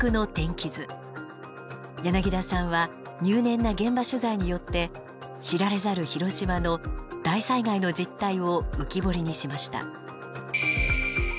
柳田さんは入念な現場取材によって知られざる広島の大災害の実態を浮き彫りにしました。